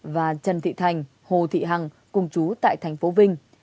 và trần thị thành hồ thị hằng cùng chú tại thành phố vinh